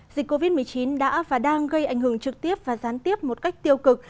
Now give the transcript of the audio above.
dịch covid một mươi chín đã và đang gây ảnh hưởng trực tiếp và gián tiếp một cách tiêu cực